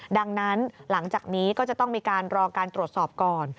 ดังนั้นหลังจากนี้ก็จะต้องมีการรอการตรวจสอบก่อน